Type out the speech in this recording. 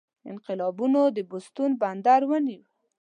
انقلابیانو د بوستون بندر ونیو.